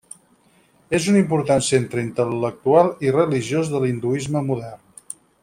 És un important centre intel·lectual i religiós de l'hinduisme modern.